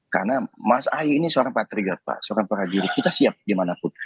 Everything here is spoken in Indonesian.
karena mas ahaie ini seorang patriga pak seorang para juri kita siap dimanapun